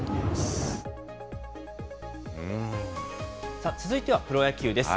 さあ、続いてはプロ野球です。